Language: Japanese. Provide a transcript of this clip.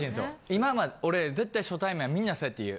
今まで俺絶対初対面はみんなそうやって言う。